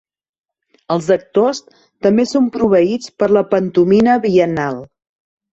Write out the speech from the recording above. Els actors també son proveïts per la pantomina biennal.